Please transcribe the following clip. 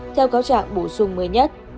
theo cáo trạng bổ sung mới nhất